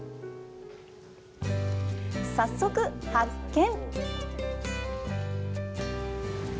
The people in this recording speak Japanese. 早速、発見！